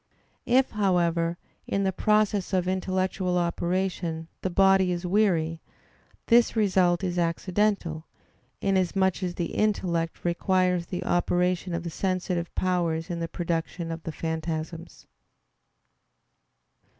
If, however, in the process of intellectual operation the body is weary, this result is accidental, inasmuch as the intellect requires the operation of the sensitive powers in the production of the phantasms.